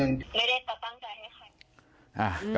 ไม่ได้ต่อตั้งใจให้ค่ะ